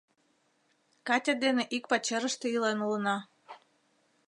— Катя дене ик пачерыште илен улына.